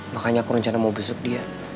makanya aku rencana mau busuk dia